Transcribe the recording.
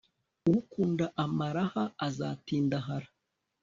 ukunda amaraha, azatindahara